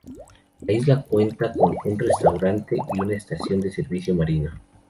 La isla cuenta con un restaurante, y una estación de servicio marino.